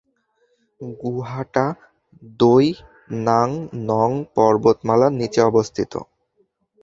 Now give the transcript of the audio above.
গুহাটা Doi Nang Non পর্বতমালার নিচে অবস্থিত।